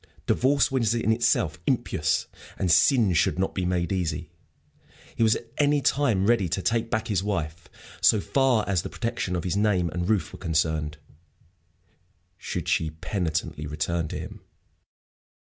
Divorce was in itself impious, and sin should not be made easy. He was at any time ready to take back his wife, so far as the protection of his name and roof were concerned, should she penitently return to him.